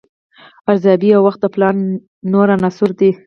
ارزیابي او وخت د پلان نور عناصر دي.